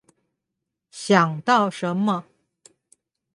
想到什麼